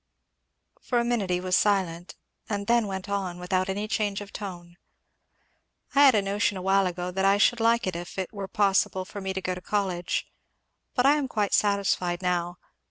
For a minute he was silent, and then went on, without any change of tone. "I had a notion awhile ago that I should like it if it were possible for me to go to college; but I am quite satisfied now.